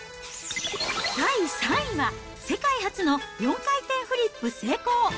第３位は、世界初の４回転フリップ成功！